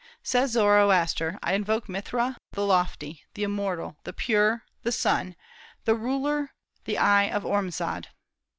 Says Zoroaster: "I invoke Mithra, the lofty, the immortal, the pure, the sun, the ruler, the eye of Ormazd."